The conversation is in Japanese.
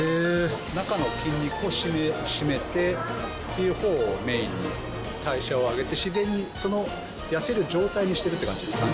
中の筋肉を締めてっていうほうをメインに、代謝を上げて、自然にその痩せる状態にしてるって感じです。